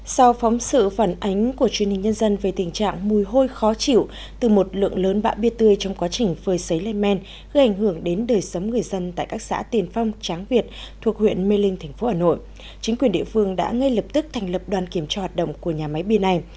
sau phóng sự phản ánh của truyền hình nhân dân về tình trạng mùi hôi khó chịu từ một lượng lớn bã bia tươi trong quá trình phơi xấy lên men gây ảnh hưởng đến đời sống người dân tại các xã tiền phong tráng việt thuộc huyện mê linh thành phố hà nội chính quyền địa phương đã ngay lập tức thành lập đoàn kiểm tra hoạt động của nhà máy bia này